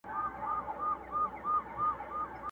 بيزو وان ويل بيزو ته په خندا سه.!